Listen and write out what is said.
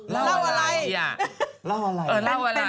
เล่าอะไรอ่ะเล่าอะไรแหละแหละแหละ